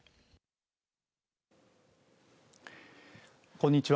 こんにちは。